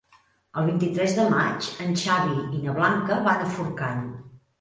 El vint-i-tres de maig en Xavi i na Blanca van a Forcall.